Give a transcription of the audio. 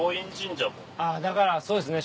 あぁだからそうですね